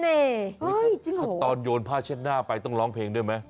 เพราะตอนโยนผ้าเช็ดหน้าไปต้องร้องเพลงด้วยไหม